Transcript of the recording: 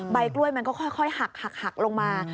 ใบกล้วยมันก็ค่อยหักลงมา